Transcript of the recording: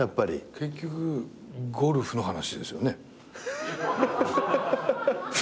結局ゴルフの話ですよね。